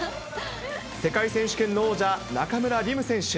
世界選手権の王者、中村輪夢選手。